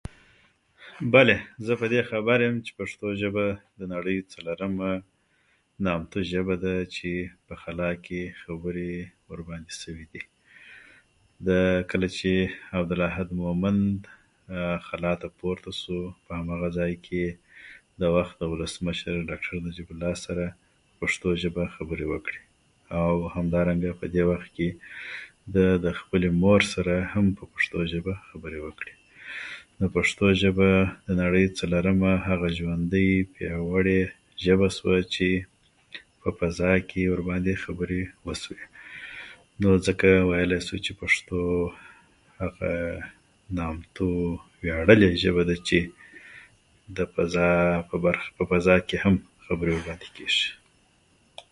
بلی زه په دې خبر یم چې پشتو ژبه د نړۍ څلورمه نامتو ژبه ده چې په خلا کې خبرې ورباندې شوي دي دا کله چې عبدالاحد مومند خلا ته پورته سو په هماغه ځای کې د وخت ولسمشر ډاکټر نجیب الله سره پشتو ژبه خبرې وکړي او همدارنګه په دې وخت کې ده د خپلې مور سره هم په پشتو ژبه خبرې وکړي نو پشتو ژبه د نړۍ هغه څلورمه ژوندی پياوړي ژبه شوه چې په فضا کې ورباندې خبري وشوي نو ځکه ويلای شو چې پشتو هغه نامتو وياړلي ژبه ده چې د فضا په برخه په کې هم ورباندې خبرې کیږي